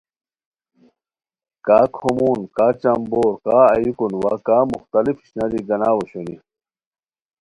کا کھومون، کا چمبور، کا ایوکون وا کا مختلف اشناری گاناؤ اوشونی